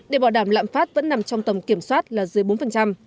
để bảo đảm lạm phát vẫn nằm trong tầm kiểm soát là dưới bốn